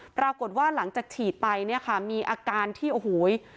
ปรากฏว่าหลังจากฉีดไปเนี่ยค่ะมีอาการที่โอ้โห